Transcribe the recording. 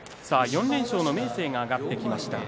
４連勝の明生が上がってきました。